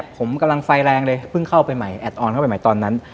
ผมกำลังไฟแรงเลยเพิ่งเข้าไปใหม่แอดออนเข้าไปใหม่ตอนนั้น